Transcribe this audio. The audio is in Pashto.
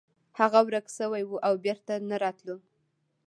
هغه ورک شوی و او بیرته نه راتلو.